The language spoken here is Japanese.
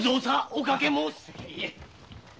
おかけ申す。